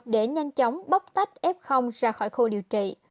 để nhanh chóng bóc tách f ra khỏi khu điều trị